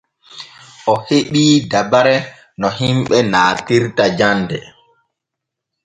O heɓii dabare no himɓe naatirta jande.